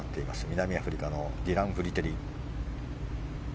南アメリカのディラン・フリテリ。